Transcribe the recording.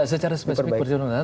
tidak secara spesifik perjalanan